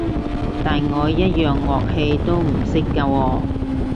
但我一樣樂器都唔識㗎喎